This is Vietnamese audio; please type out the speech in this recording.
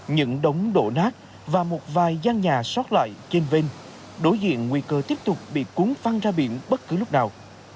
những đống đổ nát và một vài giang nhà sót lại trên bên đối diện nguy cơ tiếp tục bị cuốn phăng ra biển bất cứ lúc nào